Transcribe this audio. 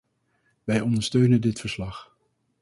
Wij ondersteunen dit verslag.